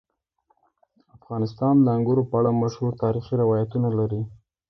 افغانستان د انګورو په اړه مشهور تاریخي روایتونه لري.